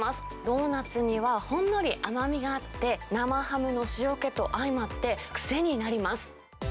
ドーナツにはほんのり甘みがあって、生ハムの塩気とあいまって、癖になります。